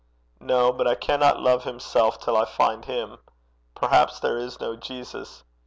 'No. But I cannot love himself till I find him. Perhaps there is no Jesus.'